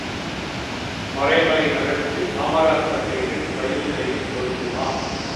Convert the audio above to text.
மறைமலை நகருக்கு காமராசர் பெயரில் இரயில் நிலையம் பொருந்துமா?